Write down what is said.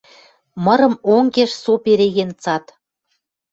Мырым онгеш со переген цат.